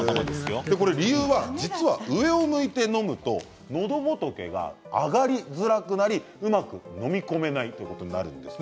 理由は実は上を向いてのむとのどぼとけが上がりづらくなりうまくのみ込めないということになるんです。